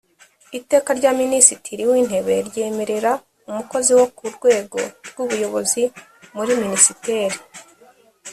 iteka rya minisitiri w’intebe ryemerera umukozi wo ku rwego rw’ubuyobozi muri minisiteri